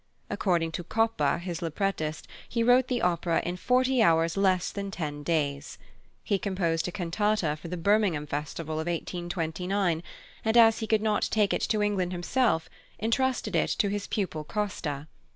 According to Coppa, his librettist, he wrote the opera in "forty hours less than ten days." He composed a cantata for the Birmingham Festival of 1829, and, as he could not take it to England himself, entrusted it to his pupil Costa.